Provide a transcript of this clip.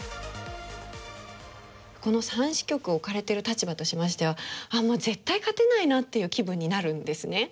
この三子局置かれてる立場としましてはもう絶対勝てないなっていう気分になるんですね。